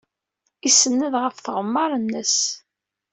Isenned ɣef tɣemmar-nnes.